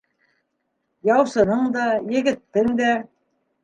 Яусының да, егеттең дә.